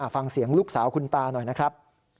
ฟังเสียงลูกสาวคุณตาหน่อยนะครับ